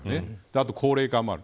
あと高齢化もある。